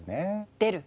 出る？